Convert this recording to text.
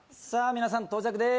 皆さん到着です